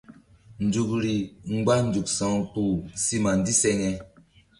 Nzukri mgba nzuk sa̧wkpuh si ma ndiseŋe.